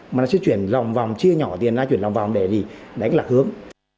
mà nó sẽ chuyển lòng vòng chia nhỏ tiền ra chuyển lòng vòng để đánh lạc hướng